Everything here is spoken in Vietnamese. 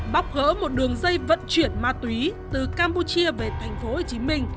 bóc gỡ một đường dây vận chuyển ma túy từ campuchia về tp hcm